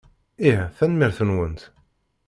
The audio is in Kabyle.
Ih. Tanemmirt-nwent.